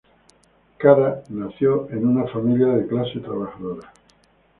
Cara nació en una familia de clase trabajadora.